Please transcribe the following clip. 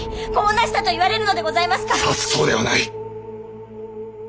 そうではない！